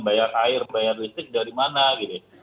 bayar air bayar listrik dari mana gitu